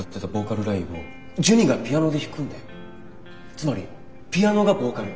つまりピアノがボーカル。